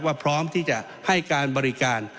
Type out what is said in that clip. พร้อมที่จะให้การบริการ